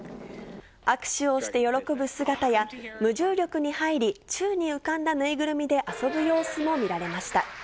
握手をして喜ぶ姿や、無重力に入り、宙に浮かんだ縫いぐるみで遊ぶ様子も見られました。